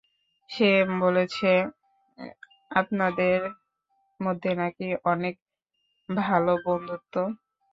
সে বলেছে আপনাদের মধ্যে নাকি অনেক ভালো বন্ধুত্ব।